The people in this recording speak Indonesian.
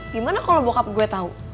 gimana kalau bokap gue tau